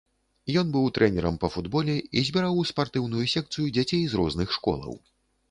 Ён быў трэнерам па футболе і збіраў у спартыўную секцыю дзяцей з розных школаў.